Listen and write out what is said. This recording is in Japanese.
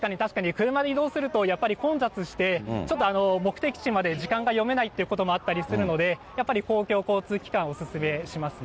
車で移動すると、やっぱり混雑して、ちょっと目的地まで時間が読めないってこともあったりするので、やっぱり公共交通機関お勧めしますね。